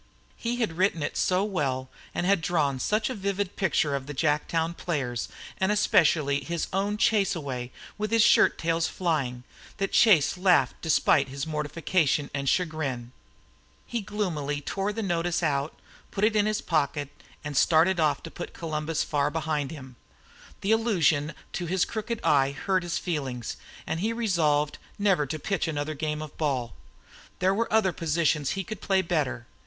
He had written it so well, and had drawn such a vivid picture of the Jacktown players, and especially of his own "chase away" with his shirttails flying, that Chase laughed despite his mortification and chagrin. He gloomily tore out the notice, put it in his pocket, and started off to put Columbus far behind him. The allusion to his crooked eye hurt his feelings, and he resolved never to pitch another game of ball. There were other positions he could play better.